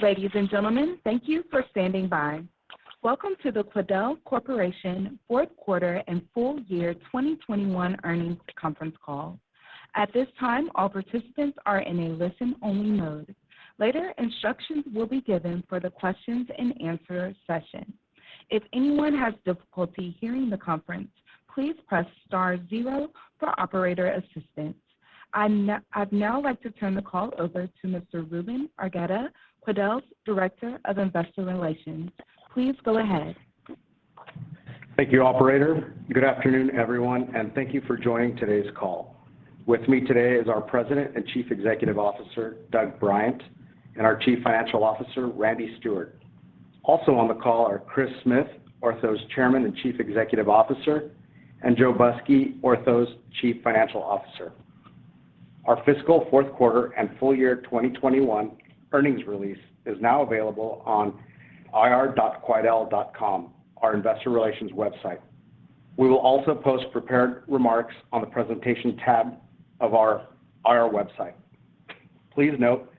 Ladies and gentlemen, thank you for standing by. Welcome to the Quidel Corporation Fourth Quarter and Full Year 2021 Earnings Conference Call. At this time, all participants are in a listen-only mode. Later, instructions will be given for the questions and answer session. If anyone has difficulty hearing the conference, please press star zero for operator assistance. I'd now like to turn the call over to Mr. Ruben Argueta, Quidel's Director of Investor Relations. Please go ahead. Thank you, operator. Good afternoon, everyone, and thank you for joining today's call. With me today is our President and Chief Executive Officer, Doug Bryant, and our Chief Financial Officer, Randy Steward. Also on the call are Chris Smith, Ortho's Chairman and Chief Executive Officer, and Joe Busky, Ortho's Chief Financial Officer. Our Fiscal Fourth Quarter and Full Year 2021 Earnings Release is now available on ir.quidel.com, our investor relations website. We will also post prepared remarks on the presentations tab of our IR website. Please note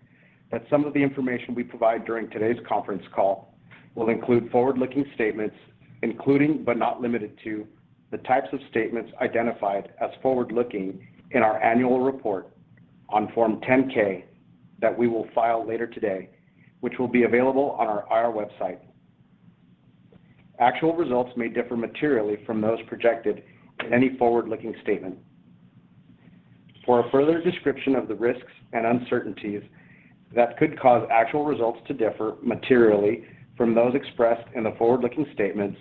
that some of the information we provide during today's conference call will include forward-looking statements, including but not limited to the types of statements identified as forward-looking in our annual report on Form 10-K that we will file later today, which will be available on our IR website. Actual results may differ materially from those projected in any forward-looking statement. For a further description of the risks and uncertainties that could cause actual results to differ materially from those expressed in the forward-looking statements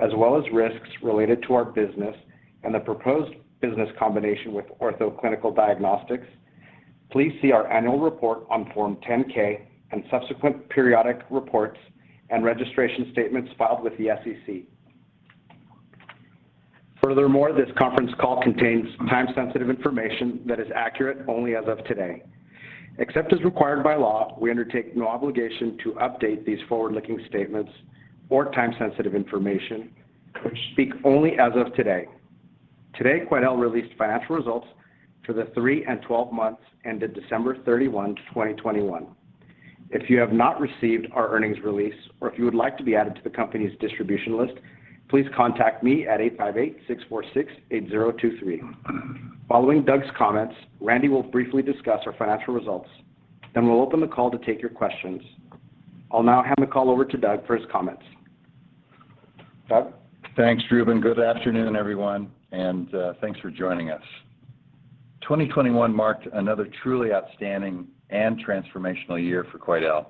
as well as risks related to our business and the proposed business combination with Ortho Clinical Diagnostics, please see our annual report on Form 10-K and subsequent periodic reports and registration statements filed with the SEC. Furthermore, this conference call contains time-sensitive information that is accurate only as of today. Except as required by law, we undertake no obligation to update these forward-looking statements or time-sensitive information which speak only as of today. Today, Quidel released financial results for the three and 12 months ended December 31, 2021. If you have not received our earnings release or if you would like to be added to the company's distribution list, please contact me at 858-646-8023. Following Doug's comments, Randy will briefly discuss our financial results, then we'll open the call to take your questions. I'll now hand the call over to Doug for his comments. Doug? Thanks, Ruben. Good afternoon, everyone, and thanks for joining us. 2021 marked another truly outstanding and transformational year for Quidel.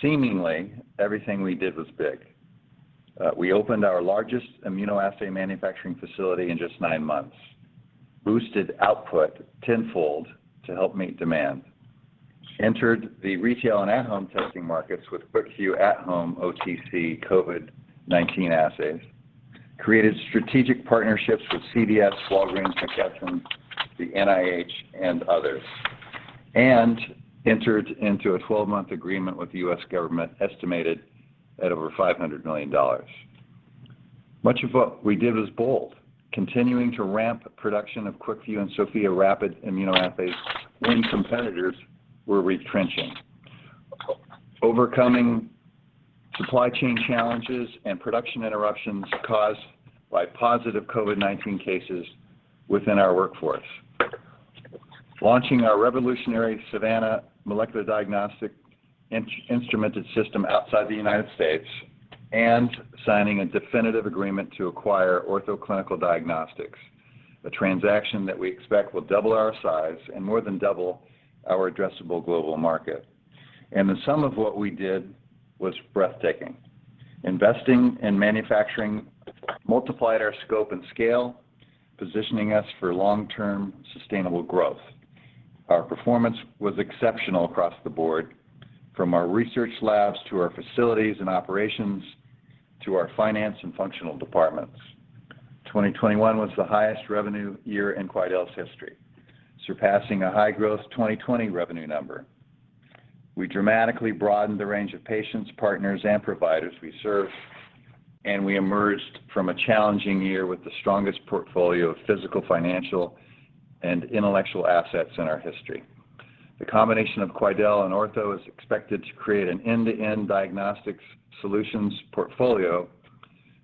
Seemingly, everything we did was big. We opened our largest immunoassay manufacturing facility in just nine months, boosted output tenfold to help meet demand, entered the retail and at-home testing markets with QuickVue At-home OTC COVID-19 assays, created strategic partnerships with CVS, Walgreens, McKesson, the NIH, and others, and entered into a 12-month agreement with the U.S. government estimated at over $500 million. Much of what we did was bold, continuing to ramp production of QuickVue and SOFIA rapid immunoassay when competitors were retrenching, overcoming supply chain challenges and production interruptions caused by positive COVID-19 cases within our workforce. Launching our revolutionary SAVANNA molecular diagnostic instrumented system outside the United States, and signing a definitive agreement to acquire Ortho Clinical Diagnostics, a transaction that we expect will double our size and more than double our addressable global market. The sum of what we did was breathtaking. Investing in manufacturing multiplied our scope and scale, positioning us for long-term sustainable growth. Our performance was exceptional across the board, from our research labs to our facilities and operations, to our finance and functional departments. 2021 was the highest revenue year in Quidel's history, surpassing a high-growth 2020 revenue number. We dramatically broadened the range of patients, partners, and providers we serve, and we emerged from a challenging year with the strongest portfolio of physical, financial, and intellectual assets in our history. The combination of Quidel and Ortho is expected to create an end-to-end diagnostics solutions portfolio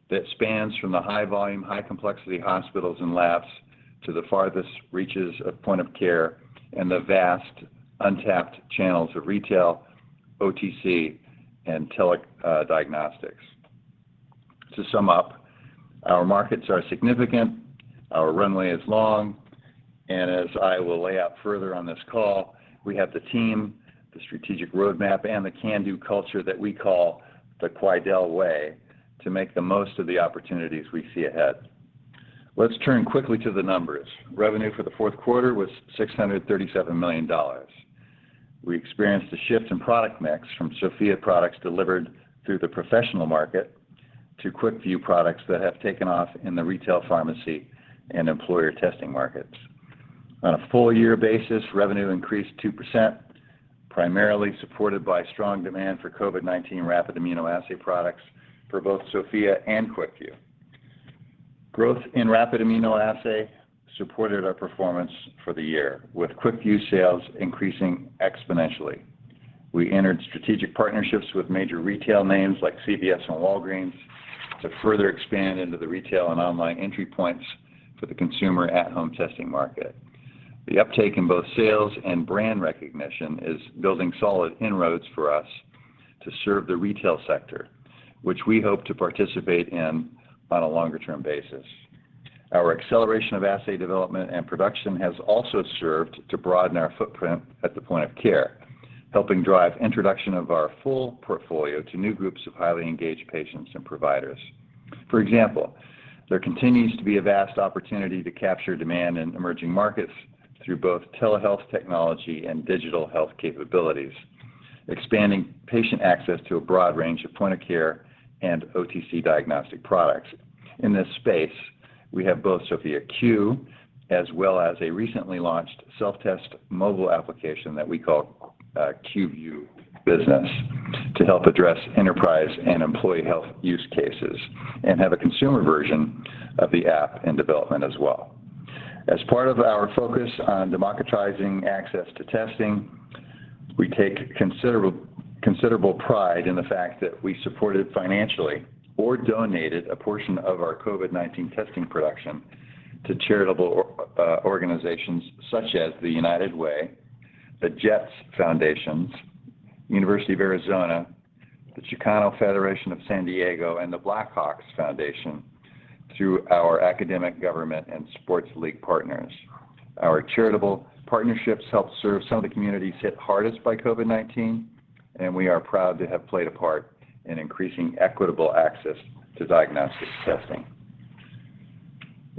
that spans from the high volume, high complexity hospitals and labs to the farthest reaches of point of care and the vast untapped channels of retail, OTC, and tele diagnostics. To sum up, our markets are significant, our runway is long, and as I will lay out further on this call, we have the team, the strategic roadmap, and the can-do culture that we call the Quidel way to make the most of the opportunities we see ahead. Let's turn quickly to the numbers. Revenue for the fourth quarter was $637 million. We experienced a shift in product mix from SOFIA products delivered through the professional market to QuickVue products that have taken off in the retail pharmacy and employer testing markets. On a full year basis, revenue increased 2%, primarily supported by strong demand for COVID-19 rapid immunoassay products for both SOFIA and QuickVue. Growth in rapid immunoassay supported our performance for the year, with QuickVue sales increasing exponentially. We entered strategic partnerships with major retail names like CVS and Walgreens to further expand into the retail and online entry points for the consumer at-home testing market. The uptake in both sales and brand recognition is building solid inroads for us to serve the retail sector which we hope to participate in on a longer term basis. Our acceleration of assay development and production has also served to broaden our footprint at the point of care, helping drive introduction of our full portfolio to new groups of highly engaged patients and providers. For example, there continues to be a vast opportunity to capture demand in emerging markets through both telehealth technology and digital health capabilities, expanding patient access to a broad range of point of care and OTC diagnostic products. In this space, we have both SOFIA Q as well as a recently launched self-test mobile application that we call QVUE business to help address enterprise and employee health use cases and have a consumer version of the app in development as well. As part of our focus on democratizing access to testing, we take considerable pride in the fact that we supported financially or donated a portion of our COVID-19 testing production to charitable organizations such as the United Way, the New York Jets Foundation, University of Arizona, the Chicano Federation of San Diego County, and the Chicago Blackhawks Foundation through our academic, government, and sports league partners. Our charitable partnerships help serve some of the communities hit hardest by COVID-19, and we are proud to have played a part in increasing equitable access to diagnostic testing.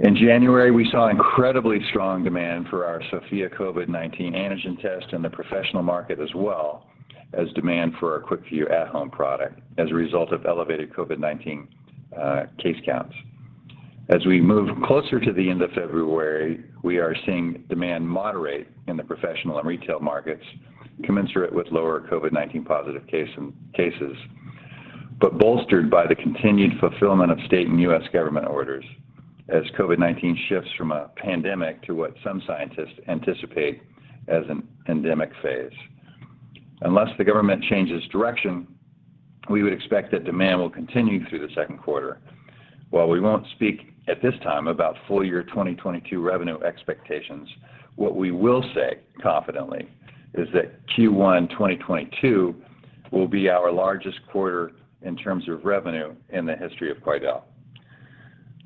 In January, we saw incredibly strong demand for our SOFIA COVID-19 antigen test in the professional market, as well as demand for our QuickVue at home product as a result of elevated COVID-19 case counts. As we move closer to the end of February, we are seeing demand moderate in the professional and retail markets commensurate with lower COVID-19 positive cases, but bolstered by the continued fulfillment of state and U.S. government orders as COVID-19 shifts from a pandemic to what some scientists anticipate as an endemic phase. Unless the government changes direction, we would expect that demand will continue through the second quarter. While we won't speak at this time about full year 2022 revenue expectations, what we will say confidently is that Q1 2022 will be our largest quarter in terms of revenue in the history of Quidel.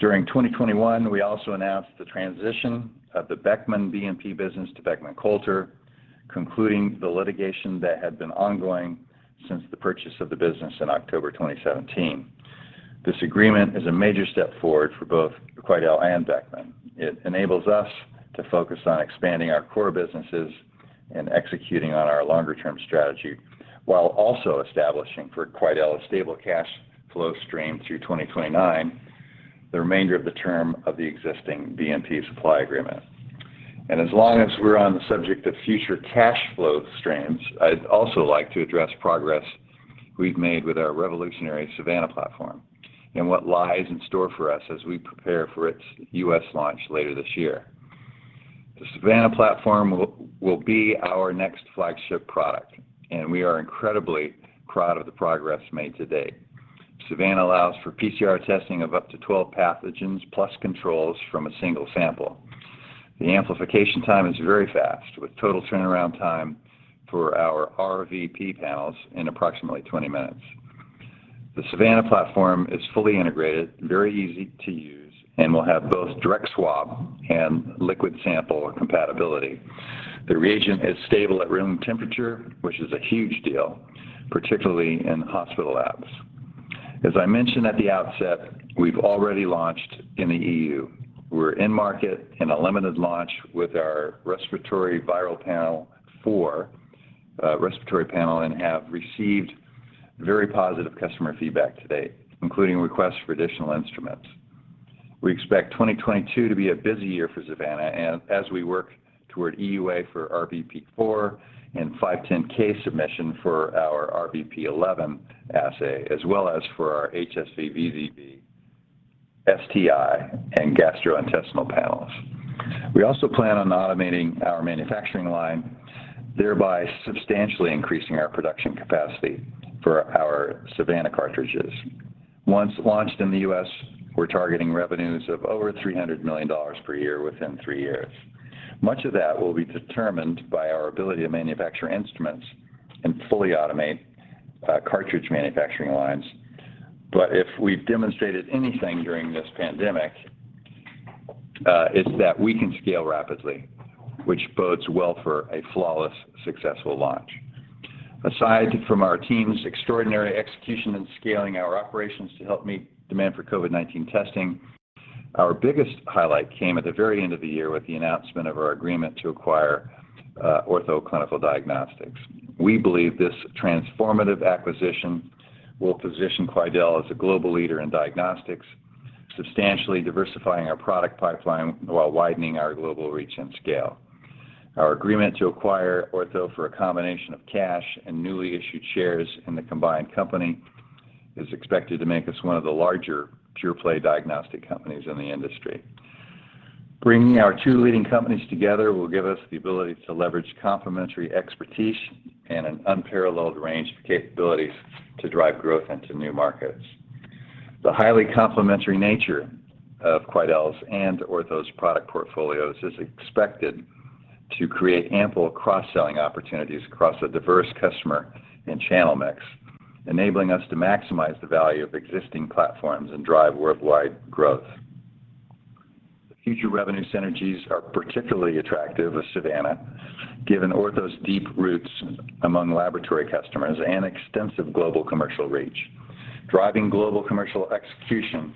During 2021, we also announced the transition of the Beckman BNP business to Beckman Coulter, concluding the litigation that had been ongoing since the purchase of the business in October 2017. This agreement is a major step forward for both Quidel and Beckman. It enables us to focus on expanding our core businesses and executing on our longer term strategy, while also establishing for Quidel a stable cash flow stream through 2029, the remainder of the term of the existing BNP supply agreement. As long as we're on the subject of future cash flow streams, I'd also like to address progress we've made with our revolutionary SAVANNA platform and what lies in store for us as we prepare for its U.S. launch later this year. The SAVANNA platform will be our next flagship product, and we are incredibly proud of the progress made to date. SAVANNA allows for PCR testing of up to 12 pathogens, plus controls from a single sample. The amplification time is very fast, with total turnaround time for our RVP panels in approximately 20 minutes. The SAVANNA platform is fully integrated, very easy to use, and will have both direct swab and liquid sample compatibility. The reagent is stable at room temperature, which is a huge deal, particularly in hospital labs. As I mentioned at the outset, we've already launched in the EU. We're in market in a limited launch with our respiratory viral panel for respiratory panel, and have received very positive customer feedback to date, including requests for additional instruments. We expect 2022 to be a busy year for SAVANNA, and as we work toward EUA for RVP four and 510(k) submission for our RVP eleven assay, as well as for our HSV VZV, STI, and gastrointestinal panels. We also plan on automating our manufacturing line, thereby substantially increasing our production capacity for our SAVANNA cartridges. Once launched in the U.S., we're targeting revenues of over $300 million per year within three years. Much of that will be determined by our ability to manufacture instruments and fully automate cartridge manufacturing lines. If we've demonstrated anything during this pandemic, it's that we can scale rapidly, which bodes well for a flawless, successful launch. Aside from our team's extraordinary execution in scaling our operations to help meet demand for COVID-19 testing, our biggest highlight came at the very end of the year with the announcement of our agreement to acquire Ortho Clinical Diagnostics. We believe this transformative acquisition will position Quidel as a global leader in diagnostics, substantially diversifying our product pipeline while widening our global reach and scale. Our agreement to acquire Ortho for a combination of cash and newly issued shares in the combined company is expected to make us one of the larger pure-play diagnostic companies in the industry. Bringing our two leading companies together will give us the ability to leverage complementary expertise and an unparalleled range of capabilities to drive growth into new markets. The highly complementary nature of Quidel's and Ortho's product portfolios is expected to create ample cross-selling opportunities across a diverse customer and channel mix, enabling us to maximize the value of existing platforms and drive worldwide growth. The future revenue synergies are particularly attractive with SAVANNA, given Ortho's deep roots among laboratory customers and extensive global commercial reach. Driving global commercial execution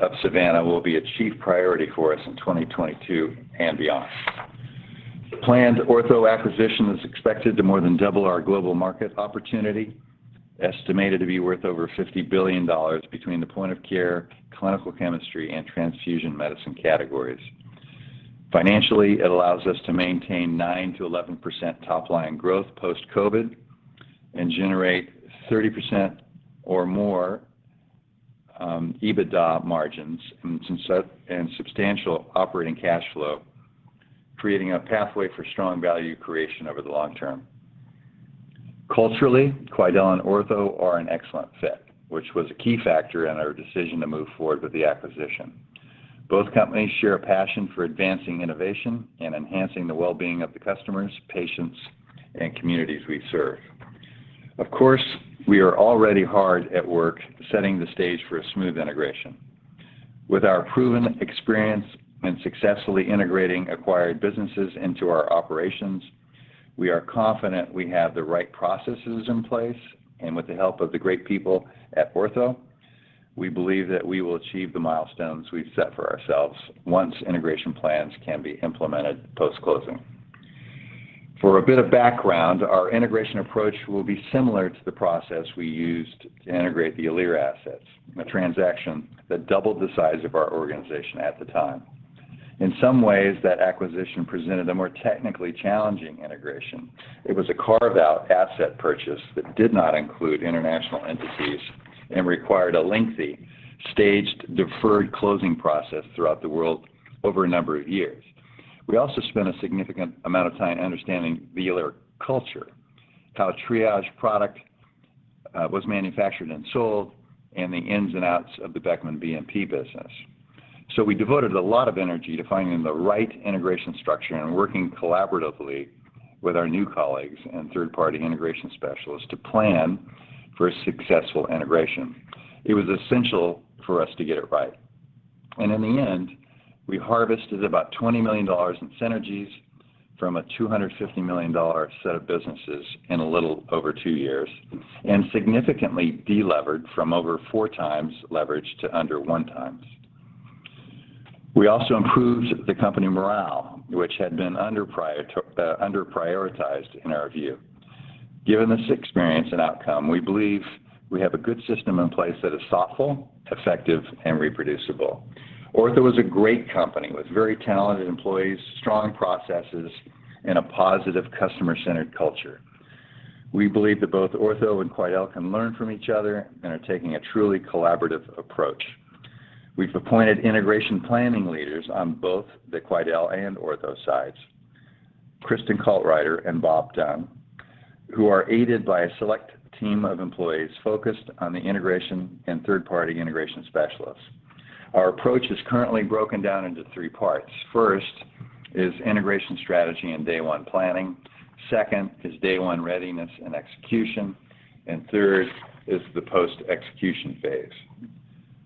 of SAVANNA will be a chief priority for us in 2022 and beyond. The planned Ortho acquisition is expected to more than double our global market opportunity, estimated to be worth over $50 billion between the point-of-care, clinical chemistry, and transfusion medicine categories. Financially, it allows us to maintain 9%-11% top-line growth post-COVID and generate 30% or more EBITDA margins and substantial operating cash flow, creating a pathway for strong value creation over the long term. Culturally, Quidel and Ortho are an excellent fit, which was a key factor in our decision to move forward with the acquisition. Both companies share a passion for advancing innovation and enhancing the well-being of the customers, patients, and communities we serve. Of course, we are already hard at work setting the stage for a smooth integration. With our proven experience in successfully integrating acquired businesses into our operations, we are confident we have the right processes in place. With the help of the great people at Ortho, we believe that we will achieve the milestones we've set for ourselves once integration plans can be implemented post-closing. For a bit of background, our integration approach will be similar to the process we used to integrate the Alere assets, a transaction that doubled the size of our organization at the time. In some ways, that acquisition presented a more technically challenging integration. It was a carve-out asset purchase that did not include international entities and required a lengthy, staged, deferred closing process throughout the world over a number of years. We also spent a significant amount of time understanding the Alere culture, how a Triage product was manufactured and sold, and the ins and outs of the Beckman BNP business. We devoted a lot of energy to finding the right integration structure and working collaboratively with our new colleagues and third-party integration specialists to plan for a successful integration. It was essential for us to get it right. In the end, we harvested about $20 million in synergies from a $250 million set of businesses in a little over two years and significantly de-levered from over 4x leverage to under 1x. We also improved the company morale, which had been underprioritized in our view. Given this experience and outcome, we believe we have a good system in place that is thoughtful, effective, and reproducible. Ortho is a great company with very talented employees, strong processes, and a positive customer-centered culture. We believe that both Ortho and Quidel can learn from each other and are taking a truly collaborative approach. We've appointed integration planning leaders on both the Quidel and Ortho sides, Kristin Caltrider and Bob Dunn, who are aided by a select team of employees focused on the integration and third-party integration specialists. Our approach is currently broken down into three parts. First is integration strategy and day one planning. Second is day one readiness and execution. Third is the post-execution phase.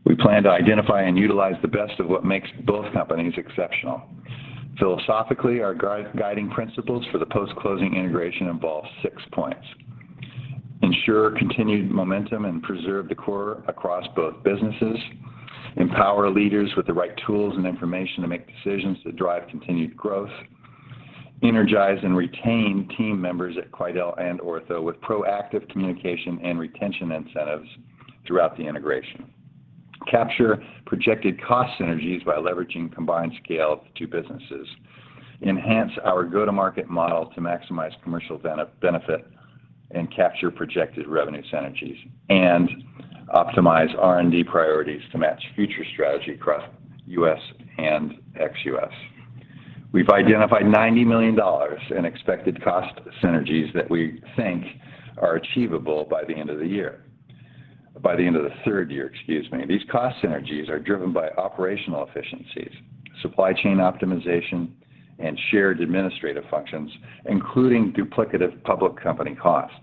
We plan to identify and utilize the best of what makes both companies exceptional. Philosophically, our guiding principles for the post-closing integration involve six points. Ensure continued momentum and preserve the core across both businesses. Empower leaders with the right tools and information to make decisions that drive continued growth. Energize and retain team members at Quidel and Ortho with proactive communication and retention incentives throughout the integration. Capture projected cost synergies by leveraging combined scale of the two businesses. Enhance our go-to-market model to maximize commercial benefit and capture projected revenue synergies. Optimize R&D priorities to match future strategy across U.S. and ex-U.S. We've identified $90 million in expected cost synergies that we think are achievable by the end of the third year, excuse me. These cost synergies are driven by operational efficiencies, supply chain optimization, and shared administrative functions, including duplicative public company costs.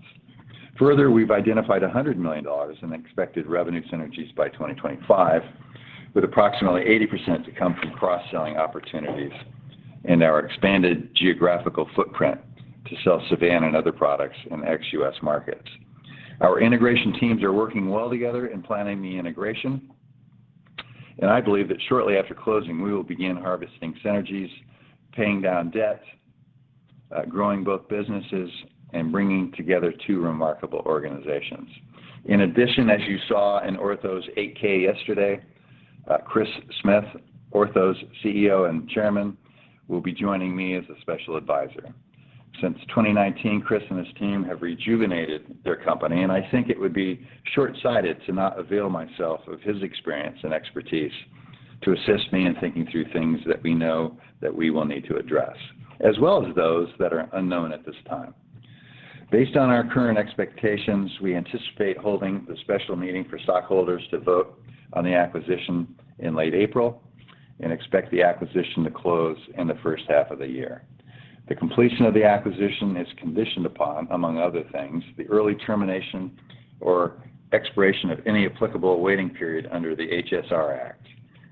Further, we've identified $100 million in expected revenue synergies by 2025, with approximately 80% to come from cross-selling opportunities and our expanded geographical footprint to sell SAVANNA and other products in ex-U.S. markets. Our integration teams are working well together in planning the integration. I believe that shortly after closing, we will begin harvesting synergies, paying down debt, growing both businesses, and bringing together two remarkable organizations. In addition, as you saw in Ortho's 8-K yesterday, Chris Smith, Ortho's CEO and Chairman, will be joining me as a special advisor. Since 2019, Chris and his team have rejuvenated their company, and I think it would be shortsighted to not avail myself of his experience and expertise to assist me in thinking through things that we know that we will need to address, as well as those that are unknown at this time. Based on our current expectations, we anticipate holding the special meeting for stockholders to vote on the acquisition in late April and expect the acquisition to close in the first half of the year. The completion of the acquisition is conditioned upon, among other things, the early termination or expiration of any applicable waiting period under the HSR Act.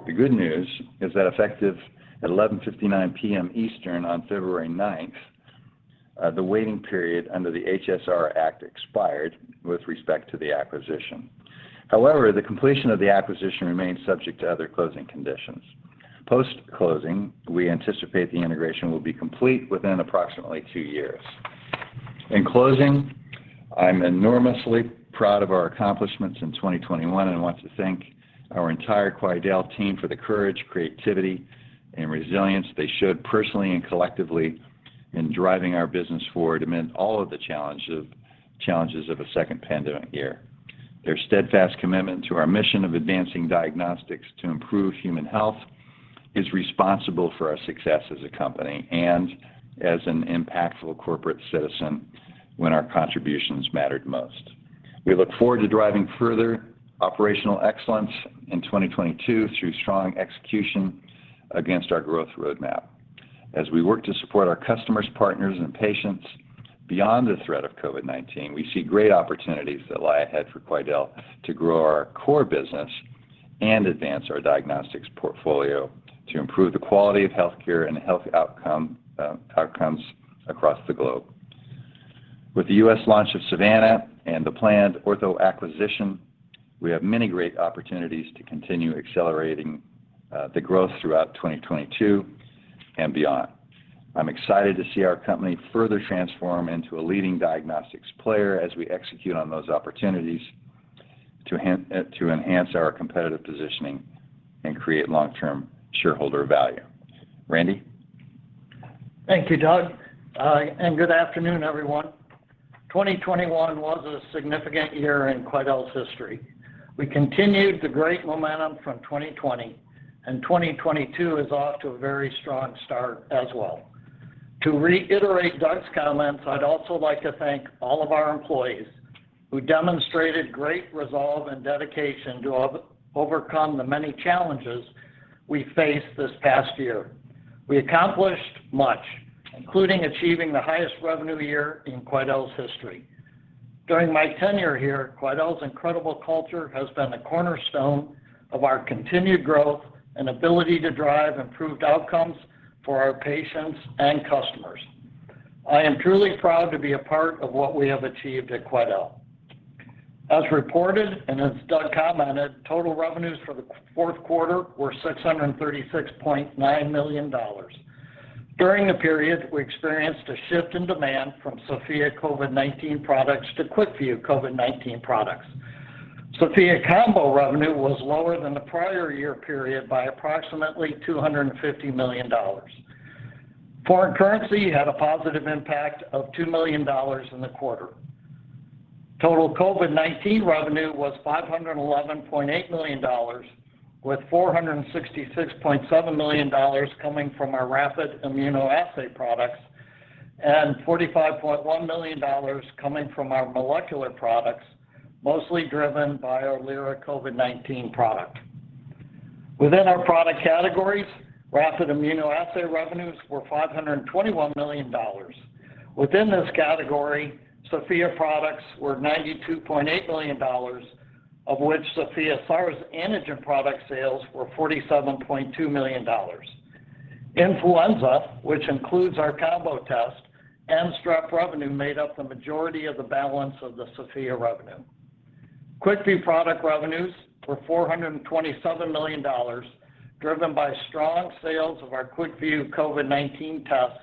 The good news is that effective at 11:59 P.M. Eastern on February 9th, the waiting period under the HSR Act expired with respect to the acquisition. However, the completion of the acquisition remains subject to other closing conditions. Post-closing, we anticipate the integration will be complete within approximately two years. In closing, I'm enormously proud of our accomplishments in 2021 and want to thank our entire Quidel team for the courage, creativity, and resilience they showed personally and collectively in driving our business forward amid all of the challenges of a second pandemic year. Their steadfast commitment to our mission of advancing diagnostics to improve human health is responsible for our success as a company and as an impactful corporate citizen when our contributions mattered most. We look forward to driving further operational excellence in 2022 through strong execution against our growth roadmap. As we work to support our customers, partners, and patients beyond the threat of COVID-19, we see great opportunities that lie ahead for Quidel to grow our core business and advance our diagnostics portfolio to improve the quality of healthcare and health outcomes across the globe. With the U.S. launch of SAVANNA and the planned Ortho acquisition, we have many great opportunities to continue accelerating the growth throughout 2022 and beyond. I'm excited to see our company further transform into a leading diagnostics player as we execute on those opportunities to enhance our competitive positioning and create long-term shareholder value. Randy? Thank you, Doug. Good afternoon, everyone. 2021 was a significant year in Quidel's history. We continued the great momentum from 2020, and 2022 is off to a very strong start as well. To reiterate Doug's comments, I'd also like to thank all of our employees who demonstrated great resolve and dedication to overcome the many challenges we faced this past year. We accomplished much, including achieving the highest revenue year in Quidel's history. During my tenure here, Quidel's incredible culture has been a cornerstone of our continued growth and ability to drive improved outcomes for our patients and customers. I am truly proud to be a part of what we have achieved at Quidel. As reported and as Doug commented, total revenues for the fourth quarter were $636.9 million. During the period, we experienced a shift in demand from SOFIA COVID-19 products to QuickVue COVID-19 products. SOFIA combo revenue was lower than the prior year period by approximately $250 million. Foreign currency had a positive impact of $2 million in the quarter. Total COVID-19 revenue was $511.8 million, with $466.7 million coming from our rapid immunoassay products and $45.1 million coming from our molecular products, mostly driven by our LYRA COVID-19 product. Within our product categories, rapid immunoassay revenues were $521 million. Within this category, SOFIA products were $92.8 million, of which SOFIA SARS antigen product sales were $47.2 million. Influenza, which includes our combo test and strep revenue, made up the majority of the balance of the SOFIA revenue. QuickVue product revenues were $427 million, driven by strong sales of our QuickVue COVID-19 tests,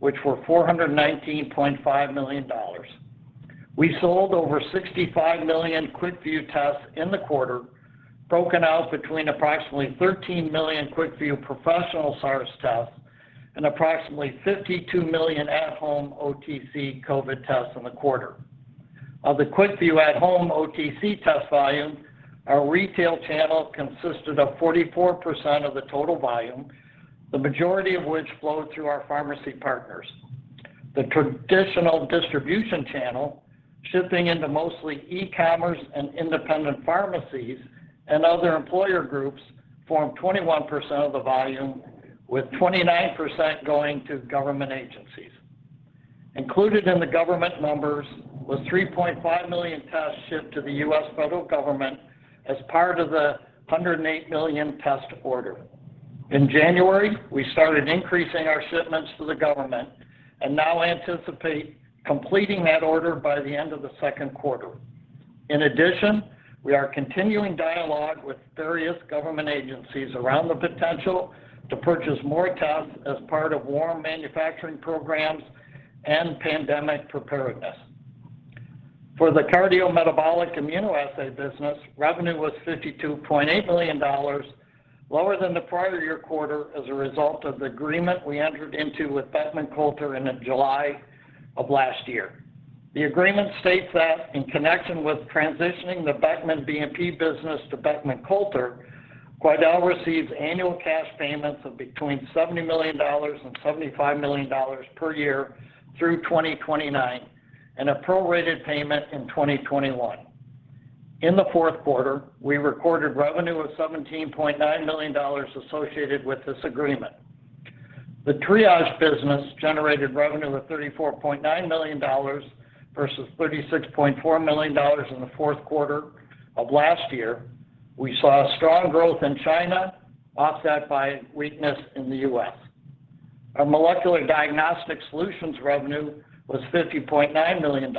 which were $419.5 million. We sold over 65 million QuickVue tests in the quarter, broken out between approximately 13 million QuickVue professional SARS tests and approximately 52 million at-home OTC COVID tests in the quarter. Of the QuickVue at-home OTC test volume, our retail channel consisted of 44% of the total volume, the majority of which flowed through our pharmacy partners. The traditional distribution channel, shipping into mostly e-commerce and independent pharmacies and other employer groups, formed 21% of the volume, with 29% going to government agencies. Included in the government numbers was 3.5 million tests shipped to the U.S. federal government as part of the 108 million test order. In January, we started increasing our shipments to the government and now anticipate completing that order by the end of the second quarter. In addition, we are continuing dialogue with various government agencies around the potential to purchase more tests as part of warm manufacturing programs and pandemic preparedness. For the cardiometabolic immunoassay business, revenue was $52.8 million, lower than the prior year quarter as a result of the agreement we entered into with Beckman Coulter in July of last year. The agreement states that in connection with transitioning the Beckman BNP business to Beckman Coulter, Quidel receives annual cash payments of between $70 million and $75 million per year through 2029, and a prorated payment in 2021. In the fourth quarter, we recorded revenue of $17.9 million associated with this agreement. The Triage business generated revenue of $34.9 million versus $36.4 million in the fourth quarter of last year. We saw a strong growth in China, offset by weakness in the U.S. Our molecular diagnostic solutions revenue was $50.9 million.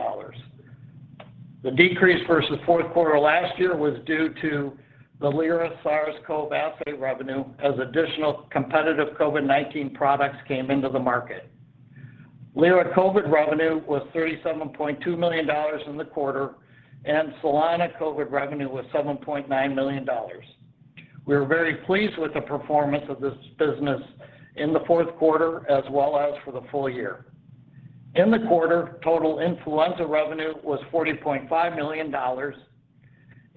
The decrease versus fourth quarter last year was due to the LYRA SARS-CoV assay revenue as additional competitive COVID-19 products came into the market. LYRA COVID revenue was $37.2 million in the quarter, and Solana COVID revenue was $7.9 million. We are very pleased with the performance of this business in the fourth quarter as well as for the full year. In the quarter, total influenza revenue was $40.5 million.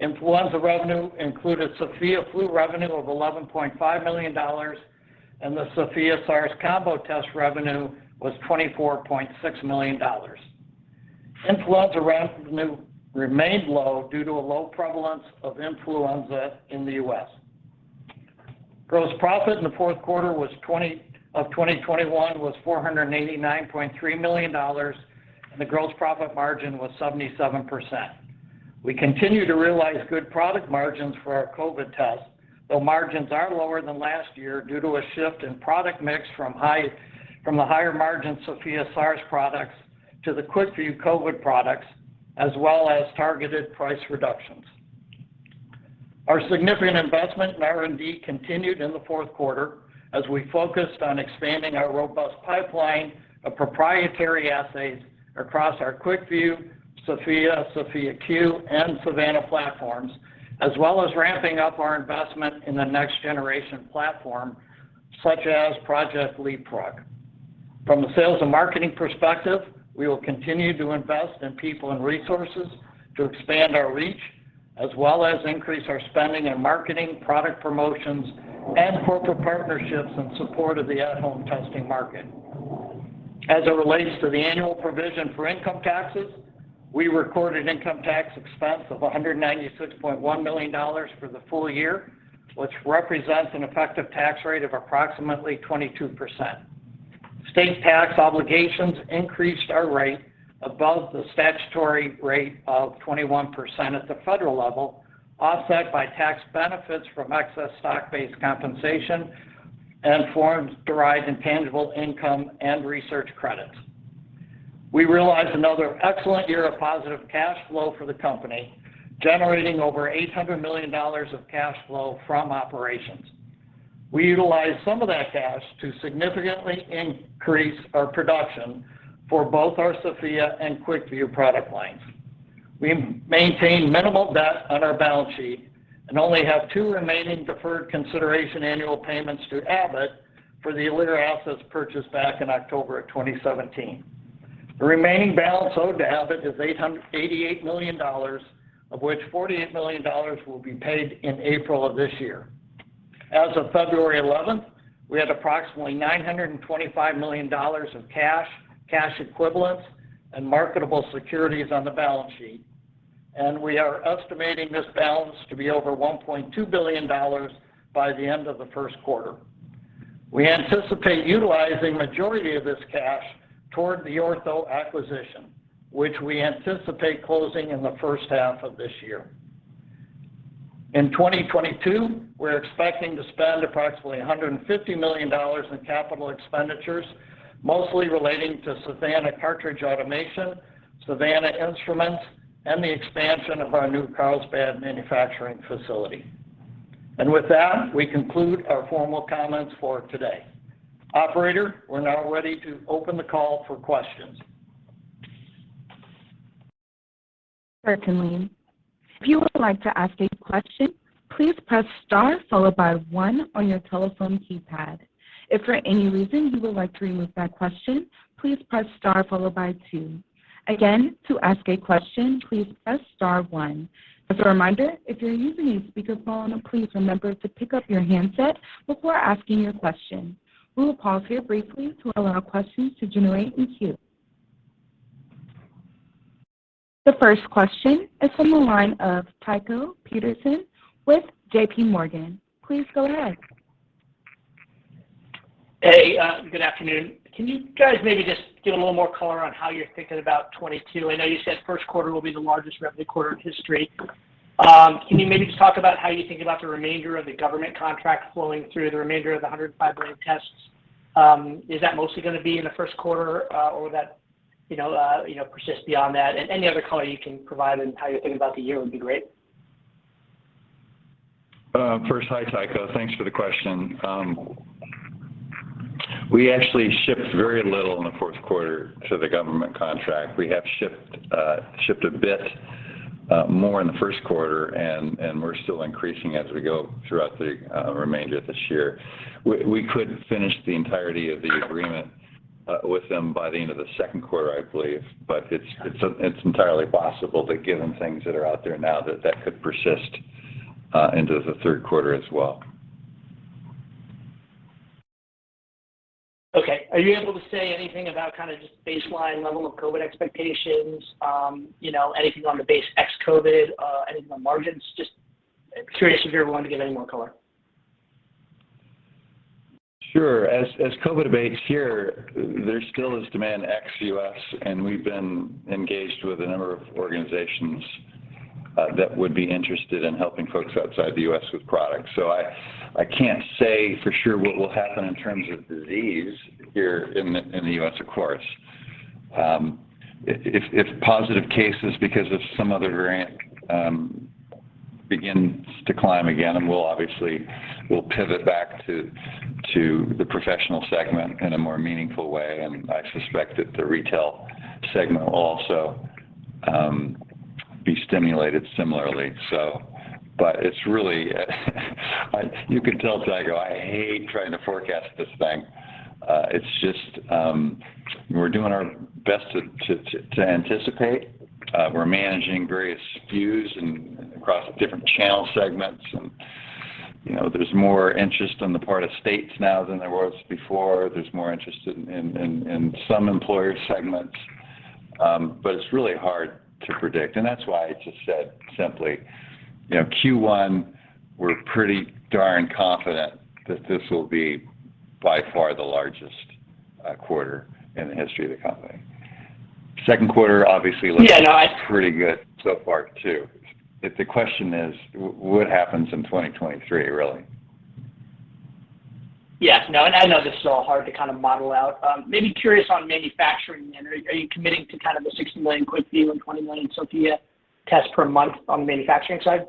Influenza revenue included SOFIA Flu revenue of $11.5 million, and the SOFIA SARS combo test revenue was $24.6 million. Influenza revenue remained low due to a low prevalence of influenza in the U.S. Gross profit in the fourth quarter of 2021 was $489.3 million, and the gross profit margin was 77%. We continue to realize good product margins for our COVID tests, though margins are lower than last year due to a shift in product mix from the higher margin SOFIA SARS products to the QuickVue COVID products, as well as targeted price reductions. Our significant investment in R&D continued in the fourth quarter as we focused on expanding our robust pipeline of proprietary assays across our QuickVue, SOFIA Q, and SAVANNA platforms, as well as ramping up our investment in the next generation platform, such as Project Leapfrog. From a sales and marketing perspective, we will continue to invest in people and resources to expand our reach, as well as increase our spending in marketing, product promotions, and corporate partnerships in support of the at-home testing market. As it relates to the annual provision for income taxes, we recorded income tax expense of $196.1 million for the full year, which represents an effective tax rate of approximately 22%. State tax obligations increased our rate above the statutory rate of 21% at the federal level, offset by tax benefits from excess stock-based compensation and foreign-derived intangible income and research credits. We realized another excellent year of positive cash flow for the company, generating over $800 million of cash flow from operations. We utilized some of that cash to significantly increase our production for both our SOFIA and QuickVue product lines. We maintain minimal debt on our balance sheet and only have two remaining deferred consideration annual payments to Abbott for the Alere assets purchase back in October 2017. The remaining balance owed to Abbott is $888 million, of which $48 million will be paid in April of this year. As of February 11, we had approximately $925 million of cash equivalents, and marketable securities on the balance sheet, and we are estimating this balance to be over $1.2 billion by the end of the first quarter. We anticipate utilizing majority of this cash toward the Ortho acquisition, which we anticipate closing in the first half of this year. In 2022, we're expecting to spend approximately $150 million in capital expenditures, mostly relating to SAVANNA cartridge automation, SAVANNA instruments, and the expansion of our new Carlsbad manufacturing facility. With that, we conclude our formal comments for today. Operator, we're now ready to open the call for questions. Certainly. If you would like to ask a question, please press star followed by one on your telephone keypad. If for any reason you would like to remove that question, please press star followed by two. Again, to ask a question, please press star one. As a reminder, if you're using a speakerphone, please remember to pick up your handset before asking your question. We will pause here briefly to allow questions to generate in queue. The first question is from the line of Tycho Peterson with J.P. Morgan. Please go ahead. Hey, good afternoon. Can you guys maybe just give a little more color on how you're thinking about 2022? I know you said first quarter will be the largest revenue quarter in history. Can you maybe just talk about how you think about the remainder of the government contract flowing through the remainder of the 105 million tests? Is that mostly gonna be in the first quarter, or would that, you know, you know, persist beyond that? Any other color you can provide in how you're thinking about the year would be great. First, hi Tycho, thanks for the question. We actually shipped very little in the fourth quarter to the government contract. We have shipped a bit more in the first quarter and we're still increasing as we go throughout the remainder of this year. We could finish the entirety of the agreement with them by the end of the second quarter, I believe, but it's entirely possible that given things that are out there now that could persist into the third quarter as well. Okay. Are you able to say anything about kind of just baseline level of COVID expectations? You know, anything on the base ex-COVID, anything on margins? Just curious if you're willing to give any more color. Sure. As COVID abates here, there still is demand ex-U.S., and we've been engaged with a number of organizations that would be interested in helping folks outside the U.S. With products. I can't say for sure what will happen in terms of disease here in the U.S., of course. If positive cases because of some other variant begins to climb again, we'll obviously pivot back to the professional segment in a more meaningful way, and I suspect that the retail segment will also be stimulated similarly. But it's really you can tell, Tycho, I hate trying to forecast this thing. It's just we're doing our best to anticipate. We're managing various SKUs across different channel segments. You know, there's more interest on the part of states now than there was before. There's more interest in some employer segments. It's really hard to predict, and that's why I just said simply, you know, Q1, we're pretty darn confident that this will be by far the largest quarter in the history of the company. Second quarter obviously looks- Yeah, no. Pretty good so far too. If the question is what happens in 2023 really. Yes. No, I know this is all hard to kind of model out. Maybe curious on manufacturing then. Are you committing to kind of the 60 million QuickVue and 20 million SOFIA tests per month on the manufacturing side?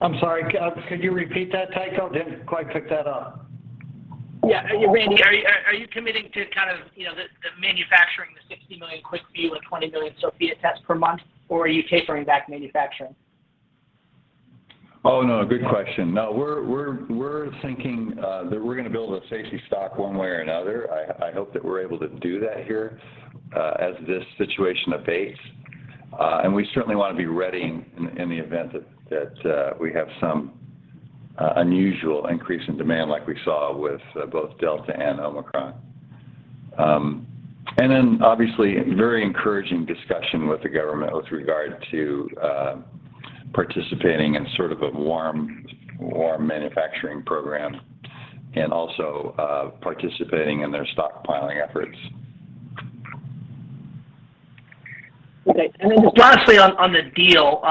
I'm sorry. Could you repeat that, Tycho? Didn't quite pick that up. Yeah. Randy, are you committing to kind of, you know, the manufacturing of the 60 million QuickVue and 20 million SOFIA tests per month or are you tapering back manufacturing? Oh, no, good question. No, we're thinking that we're gonna build a safety stock one way or another. I hope that we're able to do that here as this situation abates. We certainly wanna be ready in the event that we have some unusual increase in demand like we saw with both Delta and Omicron. Obviously very encouraging discussion with the government with regard to participating in sort of a warm manufacturing program and also participating in their stockpiling efforts. Okay. Then just lastly on the deal,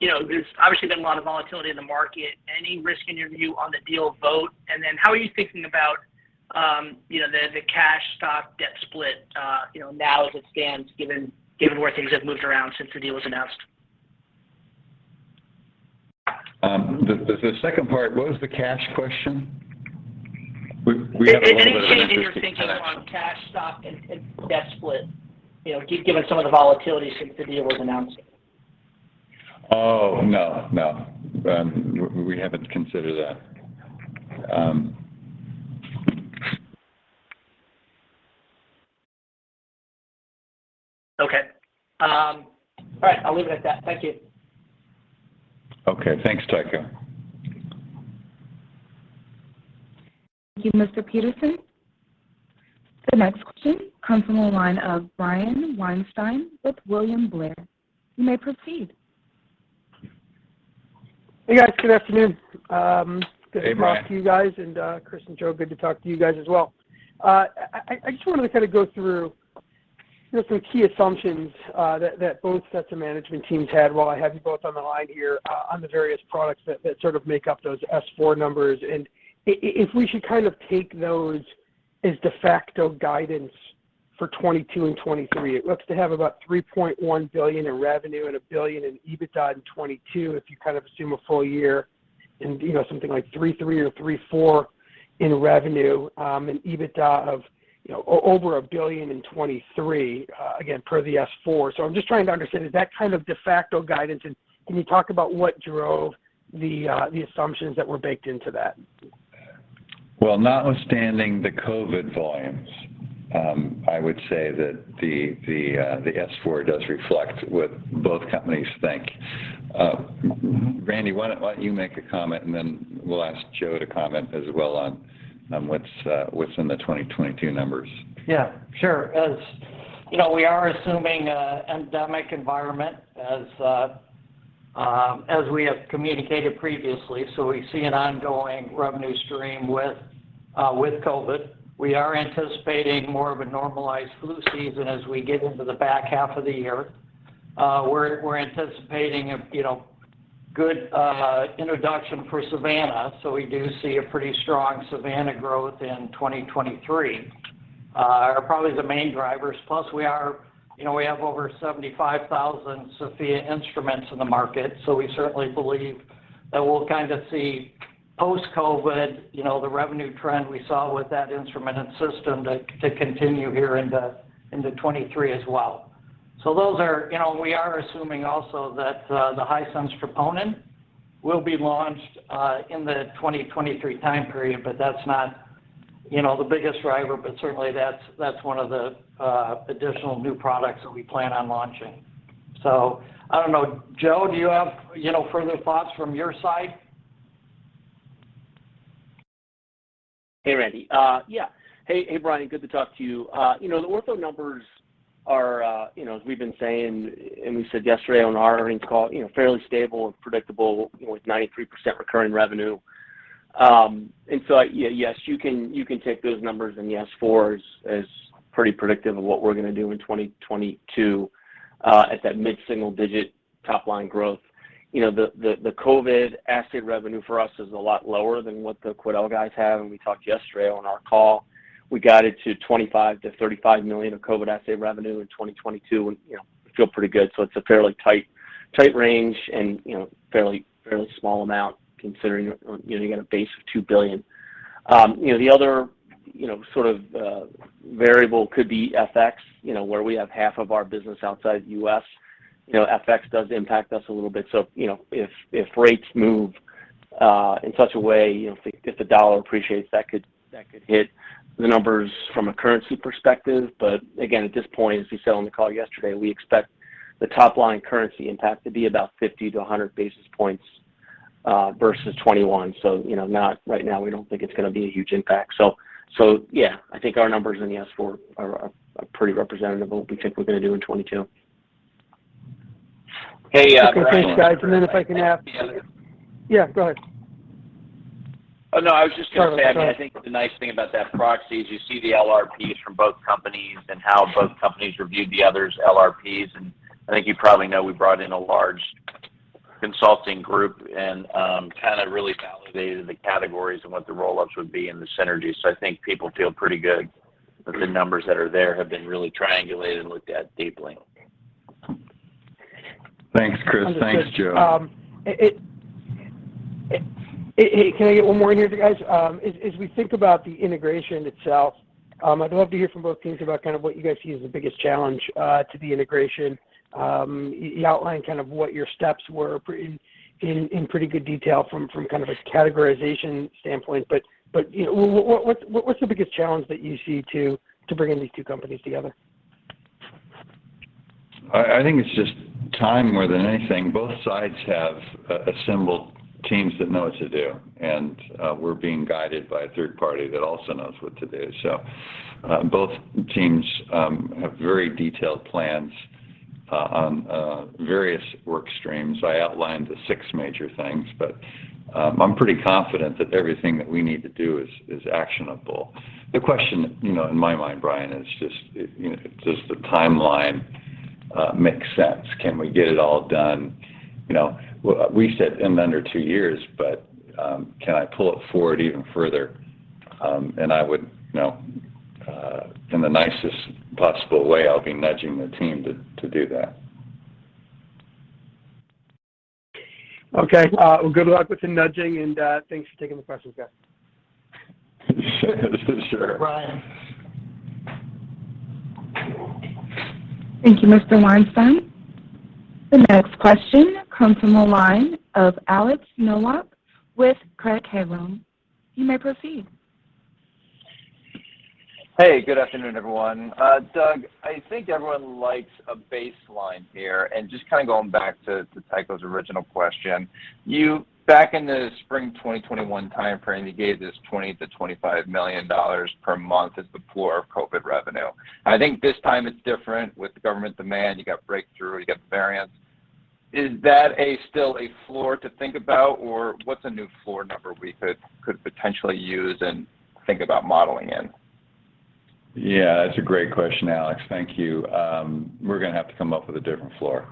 you know, there's obviously been a lot of volatility in the market. Any risk in your view on the deal vote? Then how are you thinking about, you know, the cash stock debt split, you know, now as it stands given where things have moved around since the deal was announced? The second part, what was the cash question? We had a little bit of an interesting connection. Any change in your thinking on cash, stock and debt split, you know, given some of the volatility since the deal was announced? Oh, no. We haven't considered that. Okay. All right, I'll leave it at that. Thank you. Okay. Thanks, Tycho. Thank you, Mr. Peterson. The next question comes from the line of Brian Weinstein with William Blair. You may proceed. Hey, guys. Good afternoon. Hey, Brian. Good to talk to you guys, Chris and Joe, good to talk to you guys as well. I just wanted to kind of go through, you know, some key assumptions that both sets of management teams had while I have you both on the line here, on the various products that sort of make up those S-4 numbers, and if we should kind of take those as de facto guidance for 2022 and 2023. It looks to have about $3.1 billion in revenue and $1 billion in EBITDA in 2022 if you kind of assume a full year and, you know, something like $3.3 or $3.4 billion in revenue, and EBITDA of, you know, over $1 billion in 2023, again, per the S-4. I'm just trying to understand, is that kind of de facto guidance? Can you talk about what drove the assumptions that were baked into that? Well, notwithstanding the COVID volumes, I would say that the S-4 does reflect what both companies think. Randy, why don't you make a comment, and then we'll ask Joe to comment as well on what's in the 2022 numbers. Yeah, sure. As you know, we are assuming an endemic environment as we have communicated previously, so we see an ongoing revenue stream with COVID. We are anticipating more of a normalized flu season as we get into the back half of the year. We're anticipating, you know, a good introduction for SAVANNA, so we do see a pretty strong SAVANNA growth in 2023. Are probably the main drivers. Plus we are, you know, we have over 75,000 SOFIA instruments in the market, so we certainly believe that we'll kind of see post-COVID, you know, the revenue trend we saw with that instrument and system to continue here into 2023 as well. So those are. You know, we are assuming also that the High-Sensitivity Troponin will be launched in the 2023 time period, but that's not, you know, the biggest driver, but certainly that's one of the additional new products that we plan on launching. So I don't know, Joe, do you have, you know, further thoughts from your side? Hey, Randy. Yeah. Hey, Brian, good to talk to you. You know, the Ortho numbers are, you know, as we've been saying, and we said yesterday on our earnings call, you know, fairly stable and predictable with 93% recurring revenue. Yeah, yes, you can take those numbers in the S-4 as pretty predictive of what we're gonna do in 2022, at that mid-single-digit top-line growth. You know, the COVID assay revenue for us is a lot lower than what the Quidel guys have, and we talked yesterday on our call. We got it to $25 million-$35 million of COVID assay revenue in 2022, and, you know, feel pretty good. It's a fairly tight range and, you know, fairly small amount considering, you know, you got a base of $2 billion. You know, the other, you know, sort of, variable could be FX, you know, where we have half of our business outside U.S. You know, FX does impact us a little bit. You know, if rates move in such a way, you know, if the dollar appreciates, that could hit the numbers from a currency perspective. But again, at this point, as we said on the call yesterday, we expect the top line currency impact to be about 50-100 basis points versus 2021. You know, not right now, we don't think it's gonna be a huge impact. Yeah. I think our numbers in the S-4 are pretty representative of what we think we're gonna do in 2022. Hey. Okay. Thanks, guys. Yeah, go ahead. Oh, no, I was just gonna say, I mean, I think the nice thing about that proxy is you see the LRPs from both companies and how both companies reviewed the other's LRPs. I think you probably know we brought in a large consulting group and kind of really validated the categories and what the roll-ups would be and the synergies. I think people feel pretty good that the numbers that are there have been really triangulated and looked at deeply. Thanks, Chris. Thanks, Joe. Understood. Hey, can I get one more in here, guys? As we think about the integration itself, I'd love to hear from both teams about kind of what you guys see as the biggest challenge to the integration. You outlined kind of what your steps were in pretty good detail from kind of a categorization standpoint, but you know, what's the biggest challenge that you see to bringing these two companies together? I think it's just time more than anything. Both sides have assembled teams that know what to do, and we're being guided by a third party that also knows what to do. Both teams have very detailed plans on various work streams. I outlined the six major things, but I'm pretty confident that everything that we need to do is actionable. The question, you know, in my mind, Brian, is just, you know, does the timeline make sense? Can we get it all done? You know, we said in under two years, but can I pull it forward even further? I would, you know, in the nicest possible way, I'll be nudging the team to do that. Okay. Well, good luck with the nudging, and thanks for taking the questions, guys. Sure. Brian. Thank you, Mr. Weinstein. The next question comes from the line of Alex Nowak with Craig-Hallum. You may proceed. Hey, good afternoon, everyone. Doug, I think everyone likes a baseline here, and just kind of going back to Tycho's original question. Back in the spring 2021 time frame, you gave this $20 million-$25 million per month as the floor of COVID revenue. I think this time it's different with government demand. You got breakthrough, you got variants. Is that still a floor to think about, or what's a new floor number we could potentially use and think about modeling in? Yeah, that's a great question, Alex. Thank you. We're gonna have to come up with a different floor.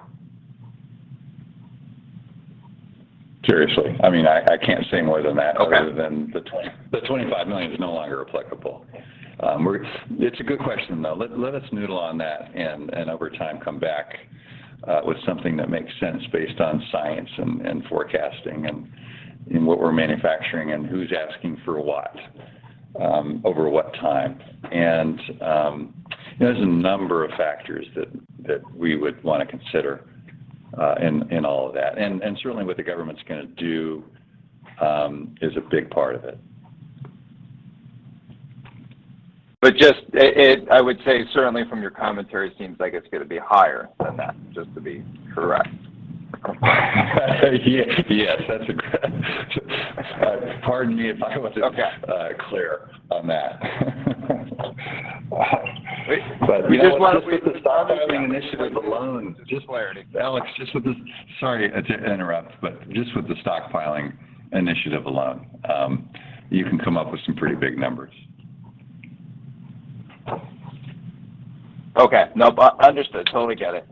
Seriously. I mean, I can't say more than that. Okay other than the 20. The $25 million is no longer applicable. It's a good question, though. Let us noodle on that and over time, come back with something that makes sense based on science and forecasting, and what we're manufacturing and who's asking for what, over what time. You know, there's a number of factors that we would wanna consider, in all of that. Certainly what the government's gonna do is a big part of it. I would say certainly from your commentary, it seems like it's gonna be higher than that, just to be correct. Yes. Pardon me if I wasn't. Okay clear on that. We just want to Just with the stockpiling initiative alone. Just wondering. Alex, sorry to interrupt, but just with the stockpiling initiative alone, you can come up with some pretty big numbers. Okay. No, but understood. Totally get it.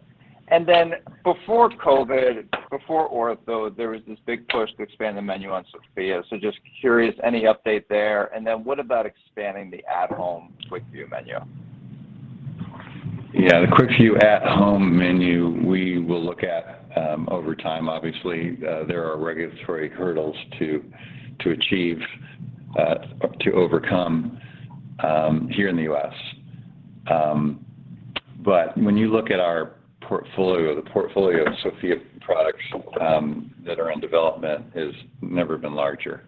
Before COVID, before Ortho, there was this big push to expand the menu on SOFIA. Just curious, any update there? What about expanding the at home QuickVue menu? Yeah. The QuickVue At-Home menu, we will look at over time. Obviously, there are regulatory hurdles to achieve or to overcome here in the U.S. When you look at our portfolio, the portfolio of SOFIA products that are in development has never been larger.